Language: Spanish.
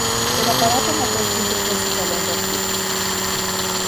El aparato motor siempre fue su talón de Aquiles.